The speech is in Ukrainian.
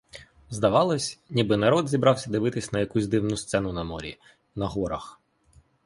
Здавалось, ніби народ зібрався дивиться на якусь дивну сцену на морі, на горах.